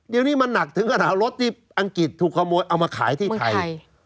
เดี๋ยวนี้มันหนักถึงกระถารถที่อังกฤษถูกขโมยเอามาขายที่ไทย